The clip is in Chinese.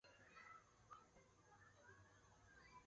棉毛黄耆是豆科黄芪属的植物。